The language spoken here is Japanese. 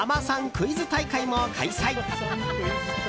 クイズ大会も開催。